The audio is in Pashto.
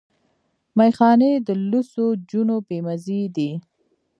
ميخانې د لوڅو جونو بې مزې دي